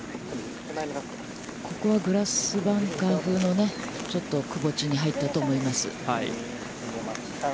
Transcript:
ここはグラスバンカー風のちょっと、くぼ地に入ったと思います。